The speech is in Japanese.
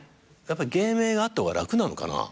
芸名があった方が楽なのかな？